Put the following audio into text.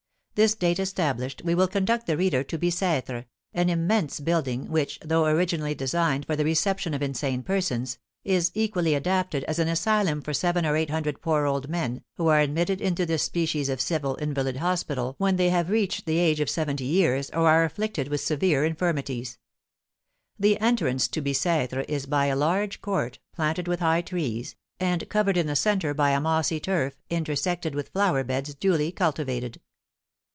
This date established, we will conduct the reader to Bicêtre, an immense building, which, though originally designed for the reception of insane persons, is equally adapted as an asylum for seven or eight hundred poor old men, who are admitted into this species of civil invalid hospital when they have reached the age of seventy years, or are afflicted with severe infirmities. The entrance to Bicêtre is by a large court, planted with high trees, and covered in the centre by a mossy turf, intersected with flower beds duly cultivated.